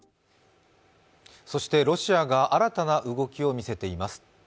ロシアが新たな動きを見せています。